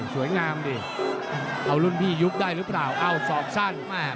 ดิเอารุ่นพี่ยุบได้หรือเปล่าเอ้าศอกสั้น